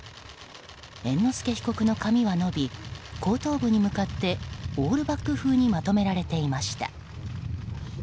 猿之助被告の髪は伸び後頭部に向かってオールバック風にまとめられていました。